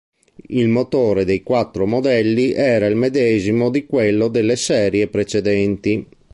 Il motore dei quattro modelli era il medesimo di quello delle serie precedenti.